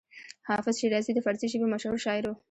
حافظ شیرازي د فارسي ژبې مشهور شاعر و.